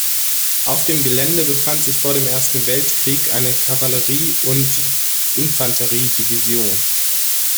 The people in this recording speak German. Auf dem Gelände befand sich vor dem Ersten Weltkrieg eine Kavallerie- und Infanteriedivision.